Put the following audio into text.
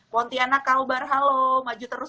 pontianak kalbar halo maju terus